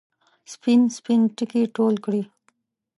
سپین، سپین ټکي ټول کړي